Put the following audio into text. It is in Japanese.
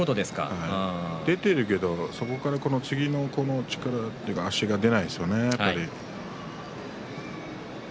出ているけどそこから次の力というか足が出ないですね。